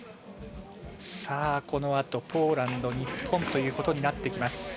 このあと、ポーランド日本ということになってきます。